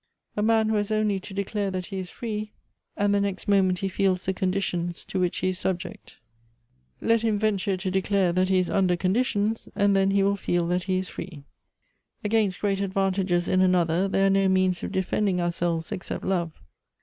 " A man who has only to declare that he is free, and the next moment he feels the conditions to which he is subject. Let him venture to declare that he is under conditions, and then he will feel that he is free. "Against great advantages in another, there are no means of defending ourselves except love.